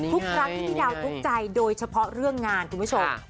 ทุกครั้งที่พี่ดาวทุกข์ใจโดยเฉพาะเรื่องงานคุณผู้ชม